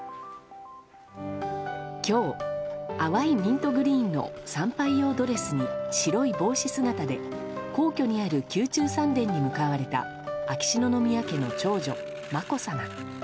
今日、淡いミントグリーンの参拝用ドレスに白い帽子姿で皇居にある宮中三殿に向かわれた秋篠宮家の長女・まこさま。